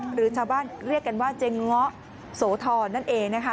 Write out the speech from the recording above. หรือชาวบ้านเรียกกันว่าเจ๊เงาะโสธรนั่นเองนะคะ